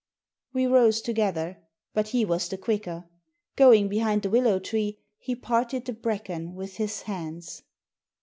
We rose together. But he was the quicker. Going behind the willow tree, he parted the bracken with his hands.